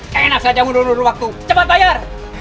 keenak saja mudah mudahan waktu cepat bayar